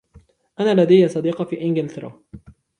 أنا لدي صديقة في إنجلترا.